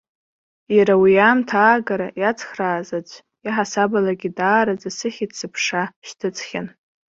Иара уи аамҭа аагара иацхрааз аӡә иаҳасабалагьы даараӡа сыхьӡ-сыԥша шьҭыҵхьан.